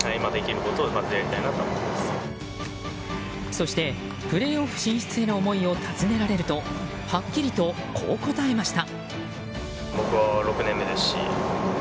そしてプレーオフ進出への思いを尋ねられるとはっきりとこう答えました。